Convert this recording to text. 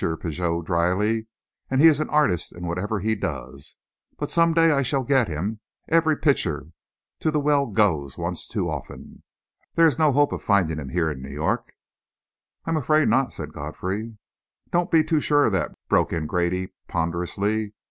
Pigot, drily. "And he is an artist in whatever he does. But some day I shall get him every pitcher to the well goes once too often. There is no hope of finding him here in New York?" "I am afraid not," said Godfrey. "Don't be too sure of that!" broke in Grady ponderously.